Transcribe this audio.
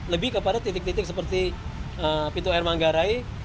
lebih kepada titik titik seperti pintu air manggarai